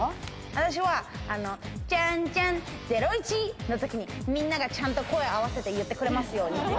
私は「チャン、チャン、ゼロイチ！」の時にみんなが、ちゃんと声を合わせて言ってくれますように。